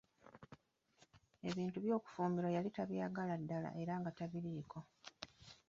Ebintu by'okufumbirwa yali tabyagalira ddala era nga tabiliiko.